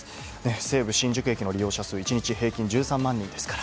西武新宿駅の利用者数は１日平均１３万人ですから。